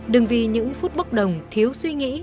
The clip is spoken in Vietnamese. đừng vì những phút bốc đồng thiếu suy nghĩ